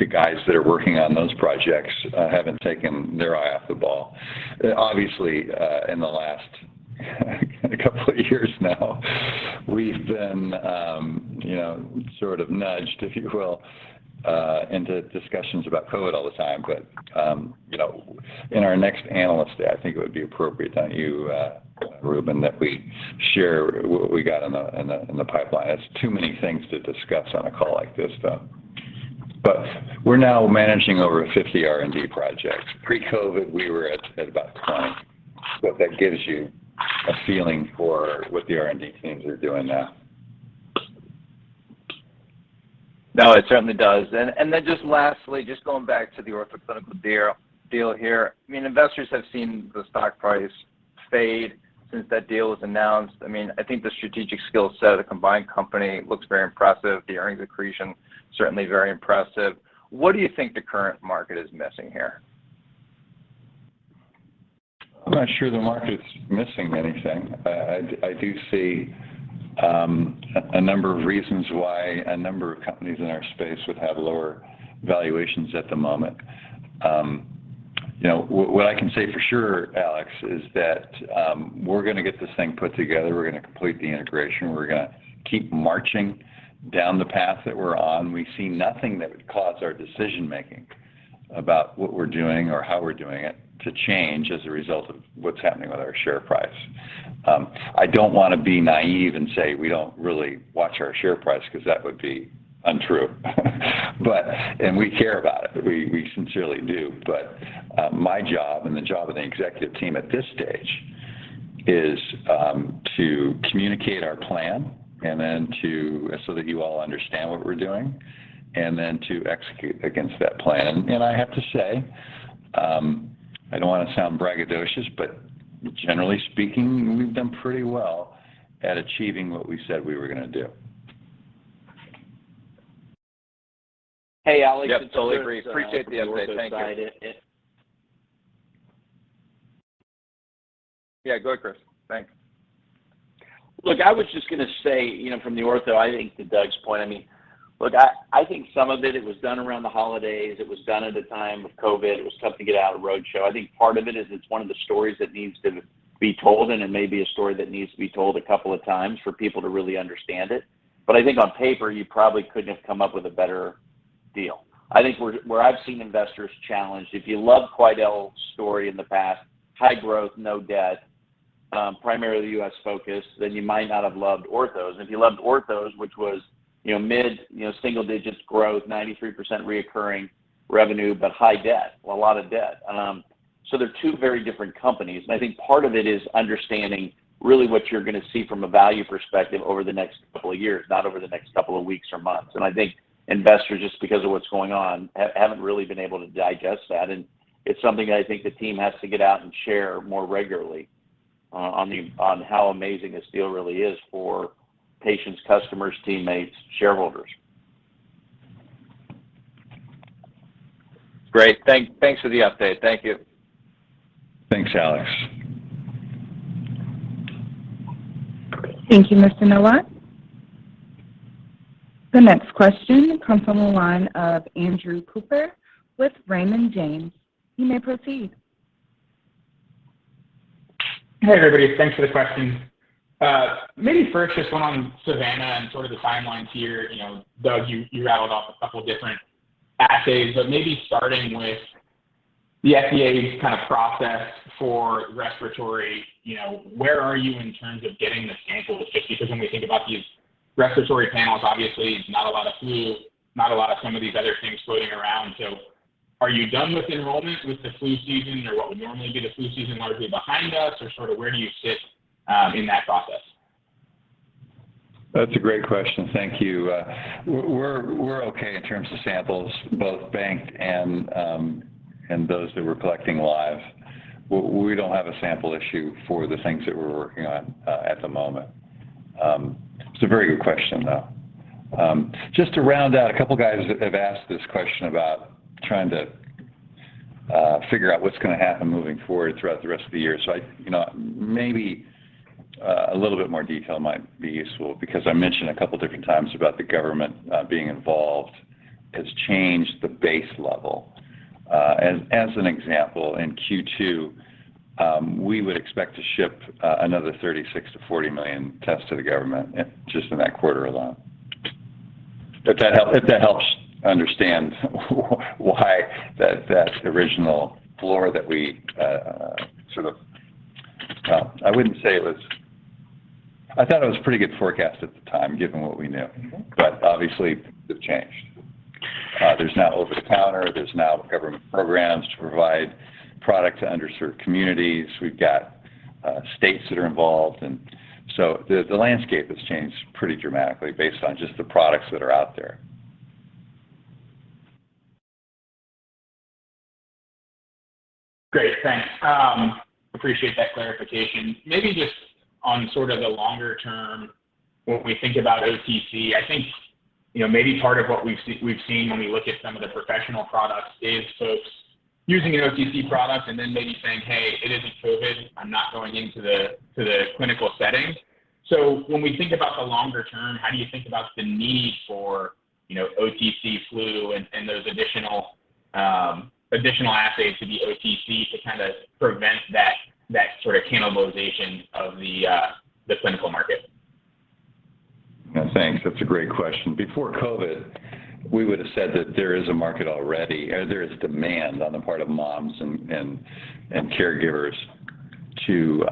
The guys that are working on those projects haven't taken their eye off the ball. Obviously, in the last kind of couple of years now, we've been you know, sort of nudged, if you will, into discussions about COVID all the time. You know, in our next analyst day, I think it would be appropriate, don't you, Ruben, that we share what we got in the pipeline. It's too many things to discuss on a call like this, but we're now managing over 50 R&D projects. Pre-COVID, we were at about 20. If that gives you a feeling for what the R&D teams are doing now. No, it certainly does. Just lastly, just going back to the Ortho Clinical Diagnostics deal here. I mean, investors have seen the stock price fade since that deal was announced. I mean, I think the strategic skill set of the combined company looks very impressive. The earnings accretion, certainly very impressive. What do you think the current market is missing here? I'm not sure the market's missing anything. I do see a number of reasons why a number of companies in our space would have lower valuations at the moment. You know, what I can say for sure, Alex, is that we're gonna get this thing put together, we're gonna complete the integration, we're gonna keep marching down the path that we're on. We see nothing that would cause our decision-making about what we're doing or how we're doing it to change as a result of what's happening with our share price. I don't wanna be naive and say we don't really watch our share price, 'cause that would be untrue. We care about it, we sincerely do. My job and the job of the executive team at this stage is to communicate our plan so that you all understand what we're doing, and then to execute against that plan. I have to say, I don't wanna sound braggadocious, but generally speaking, we've done pretty well at achieving what we said we were gonna do. Hey, Alex, it's Chris. Yep, totally. Appreciate the update. Thank you. From the Ortho side. Yeah. Go ahead, Chris. Thanks. Look, I was just gonna say, you know, from the Ortho, I think to Doug's point, I mean, look, I think some of it was done around the holidays. It was done at a time of COVID. It was tough to get out a roadshow. I think part of it is it's one of the stories that needs to be told, and it may be a story that needs to be told a couple of times for people to really understand it. But I think on paper, you probably couldn't have come up with a better deal. I think where I've seen investors challenged, if you love Quidel's story in the past, high growth, no debt, primarily U.S. focused, then you might not have loved Ortho's. If you loved Ortho's, which was, you know, mid single digits growth, 93% recurring revenue, but high debt. A lot of debt. They're two very different companies. I think part of it is understanding really what you're gonna see from a value perspective over the next couple of years, not over the next couple of weeks or months. I think investors, just because of what's going on, haven't really been able to digest that. It's something I think the team has to get out and share more regularly on how amazing this deal really is for patients, customers, teammates, shareholders. Great. Thanks for the update. Thank you. Thanks, Alex. Thank you, Mr. Nowak. The next question comes from the line of Andrew Cooper with Raymond James. You may proceed. Hey, everybody. Thanks for the question. Maybe first just one on SAVANNA and sort of the timelines here. You know, Doug, you rattled off a couple different assays, but maybe starting with the FDA's kind of process for respiratory, you know, where are you in terms of getting the samples? Just because when we think about these respiratory panels, obviously there's not a lot of flu, not a lot of some of these other things floating around. So are you done with enrollment with the flu season or what would normally be the flu season largely behind us? Or sort of where do you sit in that process? That's a great question. Thank you. We're okay in terms of samples, both banked and those that we're collecting live. We don't have a sample issue for the things that we're working on at the moment. It's a very good question though. Just to round out, a couple guys have asked this question about trying to figure out what's gonna happen moving forward throughout the rest of the year. I you know, maybe a little bit more detail might be useful because I mentioned a couple different times about the government being involved has changed the base level. As an example, in Q2, we would expect to ship another 36-40 million tests to the government just in that quarter alone. If that helps understand why that original floor that we sort of, I thought it was a pretty good forecast at the time, given what we knew. Okay. Obviously, they've changed. There's now over the counter, there's now government programs to provide product to underserved communities. We've got states that are involved, and so the landscape has changed pretty dramatically based on just the products that are out there. Great. Thanks. Appreciate that clarification. Maybe just on sort of the longer term, what we think about OTC. I think, you know, maybe part of what we've seen when we look at some of the professional products is folks using an OTC product and then maybe saying, "Hey, it isn't COVID. I'm not going into the clinical setting." So when we think about the longer term, how do you think about the need for, you know, OTC flu and those additional assays to be OTC to kind of prevent that sort of cannibalization of the clinical market? Yeah. Thanks. That's a great question. Before COVID, we would've said that there is a market already, or there is demand on the part of moms and caregivers to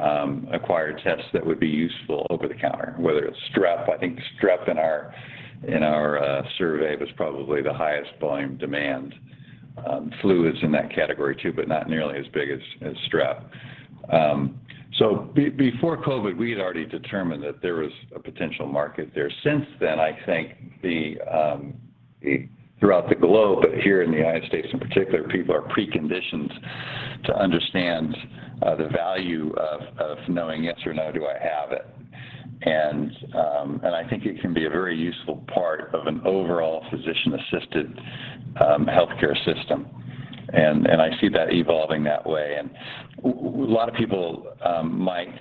acquire tests that would be useful over the counter, whether it's strep. I think strep in our survey was probably the highest volume demand. Flu is in that category too, but not nearly as big as strep. So before COVID, we had already determined that there was a potential market there. Since then, I think that throughout the globe, but here in the United States in particular, people are preconditioned to understand the value of knowing yes or no, do I have it? I think it can be a very useful part of an overall physician assisted healthcare system. I see that evolving that way. A lot of people might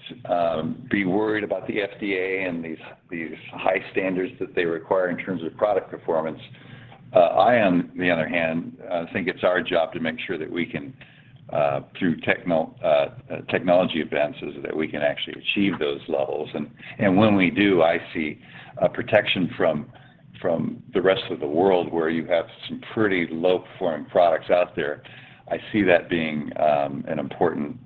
be worried about the FDA and these high standards that they require in terms of product performance. On the other hand, I think it's our job to make sure that we can, through technology advances, that we can actually achieve those levels. When we do, I see a protection from the rest of the world where you have some pretty low performing products out there. I see that being an important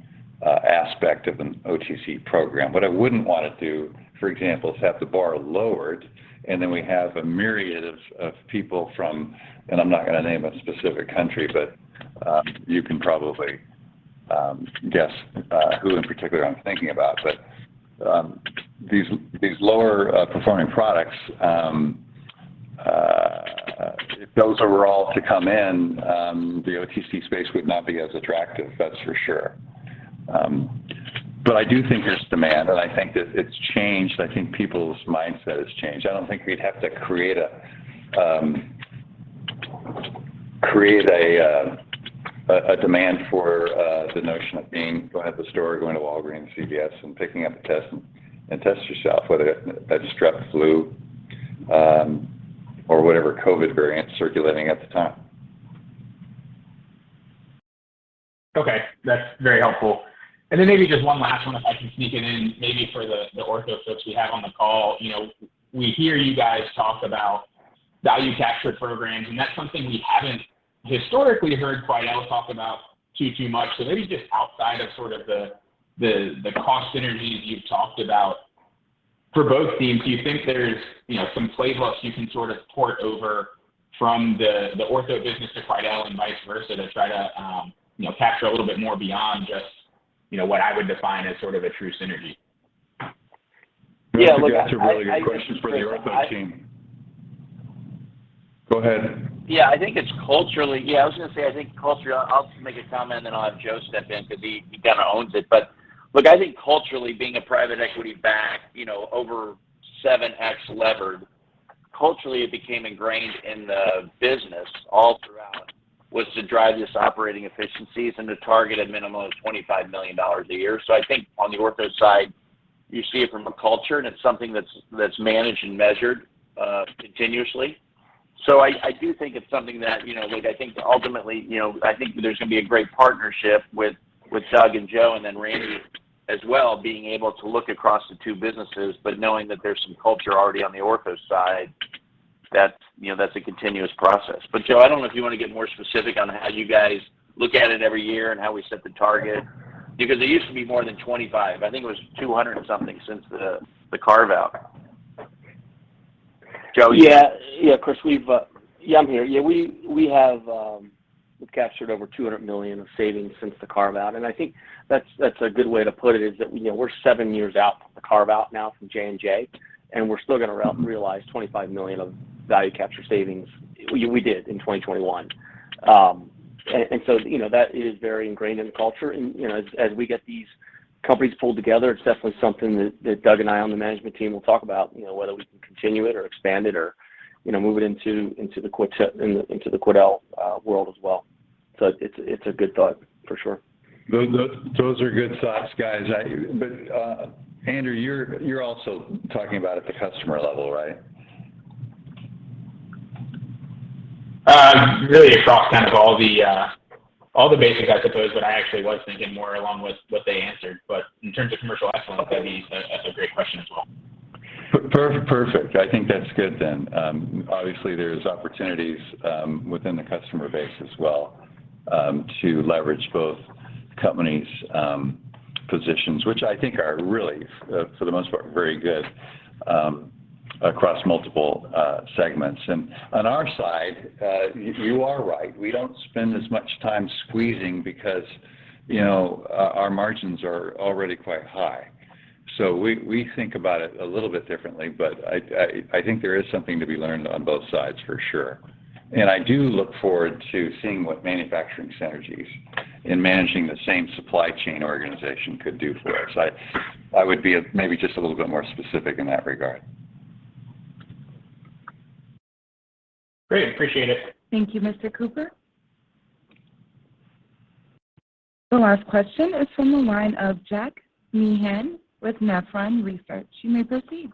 aspect of an OTC program. What I wouldn't wanna do, for example, is have the bar lowered, and then we have a myriad of people from. I'm not gonna name a specific country, but you can probably guess who in particular I'm thinking about. These lower performing products, if those were all to come in, the OTC space would not be as attractive, that's for sure. I do think there's demand, and I think that it's changed. I think people's mindset has changed. I don't think we'd have to create a demand for the notion of going to the store, going to Walgreens, CVS, and picking up a test and test yourself, whether that's strep, flu, or whatever COVID variant's circulating at the time. Okay. That's very helpful. Maybe just one last one, if I can sneak it in, maybe for the Ortho folks we have on the call. You know, we hear you guys talk about value capture programs, and that's something we haven't historically heard Quidel talk about too much. Maybe just outside of sort of the cost synergies you've talked about for both teams, do you think there's, you know, some playbooks you can sort of port over from the Ortho business to Quidel and vice versa to try to, you know, capture a little bit more beyond just, you know, what I would define as sort of a true synergy? That's a really good question for the Ortho team. Yeah, look, I think, Chris. Go ahead. I think culturally, I'll make a comment, then I'll have Joe step in, 'cause he kind of owns it. Look, I think culturally being a private equity backed, you know, over 7x levered, culturally it became ingrained in the business all throughout was to drive this operating efficiencies and to target a minimum of $25 million a year. I think on the Ortho side you see it from a culture and it's something that's managed and measured continuously. I do think it's something that, you know, look, I think ultimately, you know, I think there's gonna be a great partnership with Doug and Joe and then Randy as well, being able to look across the two businesses, but knowing that there's some culture already on the Ortho side that, you know, that's a continuous process. Joe, I don't know if you wanna get more specific on how you guys look at it every year and how we set the target, because it used to be more than 25, I think it was 200 and something since the carve out. Joe, you- Yeah, Chris, we've. Yeah, I'm here. Yeah, we have we've captured over $200 million of savings since the carve out, and I think that's a good way to put it, is that, you know, we're seven years out the carve out now from J&J and we're still gonna realize $25 million of value capture savings. We did in 2021. And so, you know, that is very ingrained in the culture and, you know, as we get these companies pulled together, it's definitely something that Doug and I on the management team will talk about, you know, whether we can continue it or expand it or, you know, move it into the Quidel world as well. It's a good thought for sure. Those are good thoughts, guys. Andrew, you're also talking about at the customer level, right? Really across kind of all the basics I suppose, but I actually was thinking more along with what they answered, but in terms of commercial excellence, I mean, that's a great question as well. Perfect. I think that's good then. Obviously there's opportunities within the customer base as well to leverage both companies' positions, which I think are really, for the most part, very good, across multiple segments. On our side, you are right. We don't spend as much time squeezing because, you know, our margins are already quite high. We think about it a little bit differently, but I think there is something to be learned on both sides for sure. I do look forward to seeing what manufacturing synergies in managing the same supply chain organization could do for us. I would be maybe just a little bit more specific in that regard. Great. Appreciate it. Thank you, Mr. Cooper. The last question is from the line of Jack Meehan with Nephron Research. You may proceed.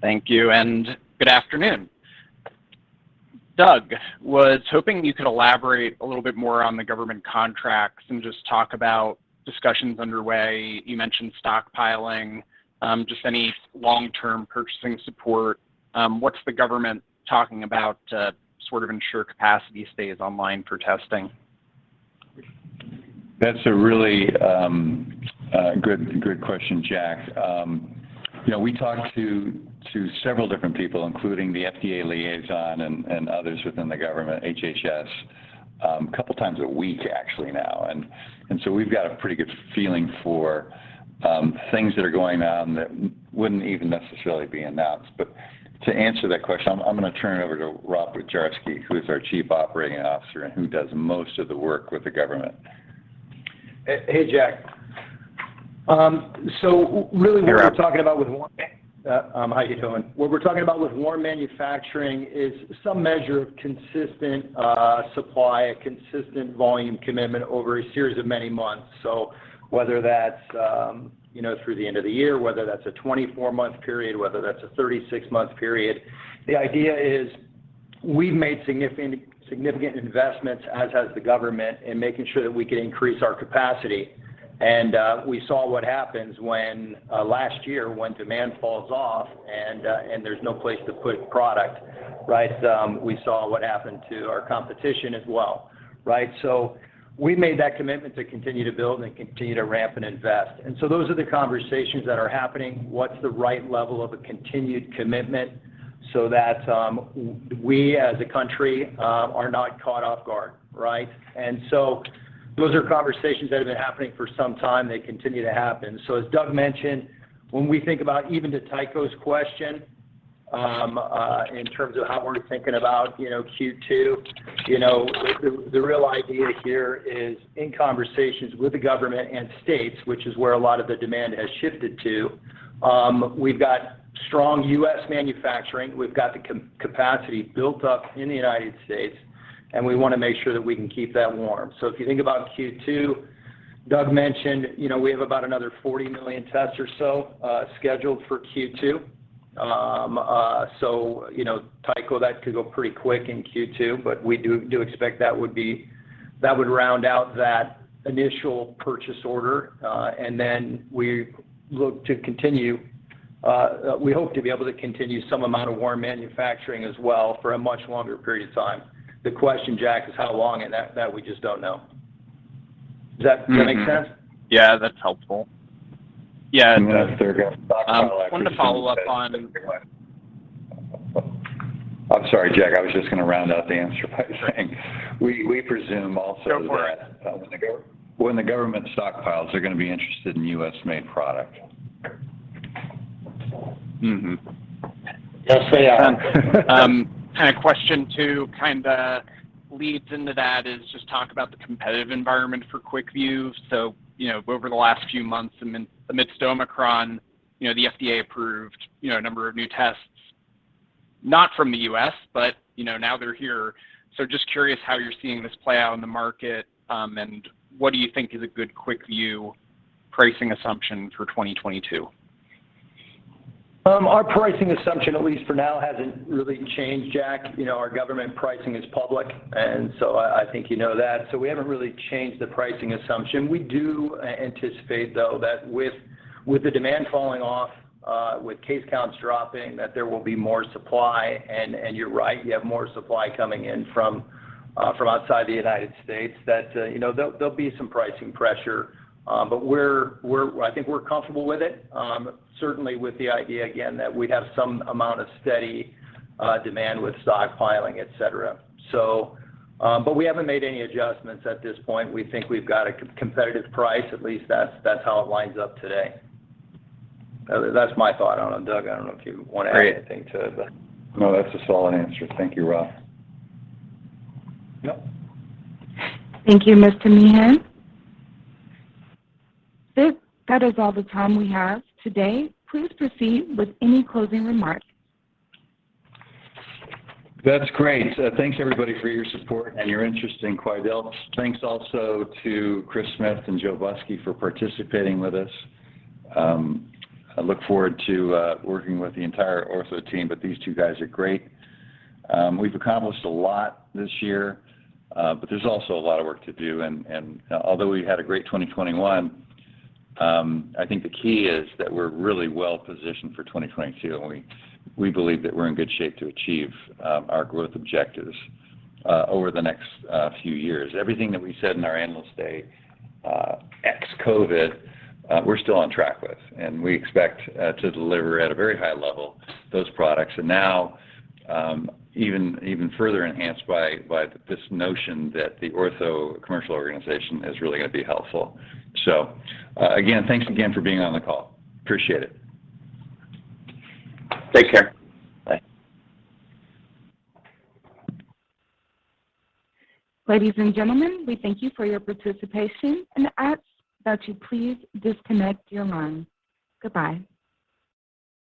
Thank you, and good afternoon. Doug, I was hoping you could elaborate a little bit more on the government contracts and just talk about discussions underway. You mentioned stockpiling, just any long-term purchasing support. What's the government talking about to sort of ensure capacity stays online for testing? That's a really good question, Jack. You know, we talked to several different people, including the FDA liaison and others within the government, HHS, couple times a week actually now. We've got a pretty good feeling for things that are going on that wouldn't even necessarily be announced. To answer that question, I'm gonna turn it over to Rob Bujarski, who is our Chief Operating Officer and who does most of the work with the government. Hey, Jack. Hi, Rob. What we're talking about with our manufacturing is some measure of consistent supply, a consistent volume commitment over a series of many months. Whether that's you know, through the end of the year, whether that's a 24-month period, whether that's a 36-month period, the idea is we've made significant investments, as has the government, in making sure that we can increase our capacity. We saw what happens when last year when demand falls off and there's no place to put product, right? We saw what happened to our competition as well, right? We made that commitment to continue to build and continue to ramp and invest. Those are the conversations that are happening. What's the right level of a continued commitment so that we as a country are not caught off guard, right? Those are conversations that have been happening for some time. They continue to happen. As Doug mentioned, when we think about even to Tycho's question, in terms of how we're thinking about, you know, Q2, you know, the real idea here is in conversations with the government and states, which is where a lot of the demand has shifted to, we've got strong U.S. manufacturing. We've got the capacity built up in the United States, and we wanna make sure that we can keep that warm. If you think about Q2, Doug mentioned, you know, we have about another 40 million tests or so, scheduled for Q2. You know, Tycho, that could go pretty quick in Q2, but we do expect that would round out that initial purchase order. Then we look to continue. We hope to be able to continue some amount of warm manufacturing as well for a much longer period of time. The question, Jack, is how long, and that we just don't know. Does that make sense? Yeah, that's helpful. Yeah. as they're gonna stockpile actually. Wanted to follow up on. I'm sorry, Jack. I was just gonna round out the answer by saying we presume also that. Go for it. When the government stockpiles, they're gonna be interested in U.S.-made product. Yes, they are. A question too, kinda leads into that, is just talk about the competitive environment for QuickVue. You know, over the last few months and then amidst Omicron, you know, the FDA approved, you know, a number of new tests, not from the U.S., but, you know, now they're here. Just curious how you're seeing this play out in the market, and what do you think is a good QuickVue pricing assumption for 2022? Our pricing assumption, at least for now, hasn't really changed, Jack. You know, our government pricing is public, and so I think you know that. We haven't really changed the pricing assumption. We do anticipate, though, that with the demand falling off, with case counts dropping, that there will be more supply. You're right, you have more supply coming in from outside the United States that you know, there'll be some pricing pressure. I think we're comfortable with it, certainly with the idea, again, that we'd have some amount of steady demand with stockpiling, et cetera. We haven't made any adjustments at this point. We think we've got a competitive price, at least that's how it lines up today. That's my thought on it. Doug, I don't know if you wanna add anything to that. Great. No, that's a solid answer. Thank you, Rob. Yep. Thank you, Mr. Meehan. That is all the time we have today. Please proceed with any closing remarks. That's great. Thanks everybody for your support and your interest in Quidel. Thanks also to Chris Smith and Joe Busky for participating with us. I look forward to working with the entire Ortho team, but these two guys are great. We've accomplished a lot this year, but there's also a lot of work to do. Although we had a great 2021, I think the key is that we're really well positioned for 2022, and we believe that we're in good shape to achieve our growth objectives over the next few years. Everything that we said in our annual stat ex-COVID we're still on track with, and we expect to deliver at a very high level those products. Now even further enhanced by this notion that the Ortho commercial organization is really gonna be helpful. Again, thanks again for being on the call. Appreciate it. Take care. Bye. Ladies and gentlemen, we thank you for your participation and ask that you please disconnect your line. Goodbye.